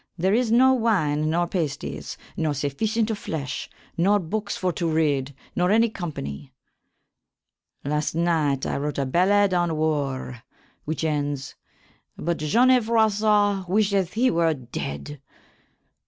There is no wyne nor pasties, nor suffycent of flesshe, no bookes for to rede, nor any company. Last nyghte I wrote a ballade on Warre, which ends, "But Johnnie Froissart wisheth he were dead."